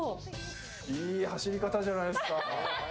いい走り方じゃないですか。